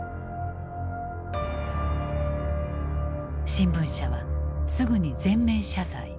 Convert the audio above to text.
新聞社はすぐに全面謝罪。